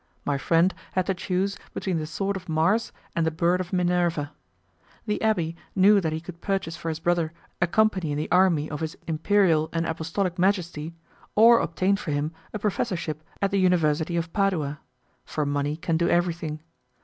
My friend had to choose between the sword of Mars and the bird of Minerva. The abbé knew that he could purchase for his brother a company in the army of his Imperial and Apostolic Majesty, or obtain for him a professorship at the University of Padua; for money can do everything.